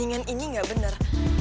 ini ini gak bener